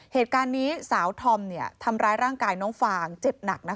เหตุการณ์นี้สาวธอมทำร้ายร่างกายน้องฟางเจ็บหนักนะคะ